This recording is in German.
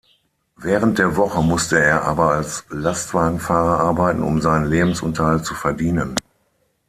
Während der Woche musste er aber als Lastwagenfahrer arbeiten, um seinen Lebensunterhalt zu verdienen.